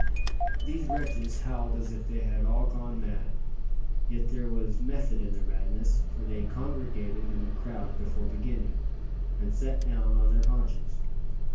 These wretches howled as if they had all gone mad. Yet there was "method in their madness;" for they congregated in a crowd before beginning, and sat down on their haunches.